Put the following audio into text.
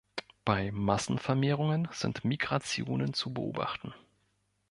Bei Massenvermehrungen sind Migrationen zu beobachten.